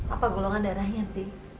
apa golongan darahnya b